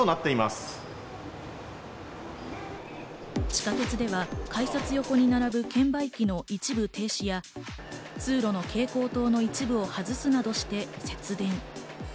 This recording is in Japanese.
地下鉄では改札横に並ぶ券売機の一部停止や通路の蛍光灯の一部を外すなどして節電。